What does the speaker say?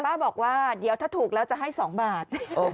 บอกว่าเดี๋ยวถ้าถูกแล้วจะให้๒บาท